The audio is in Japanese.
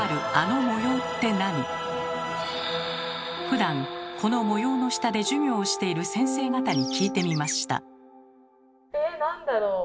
ふだんこの模様の下で授業をしている先生方に聞いてみました。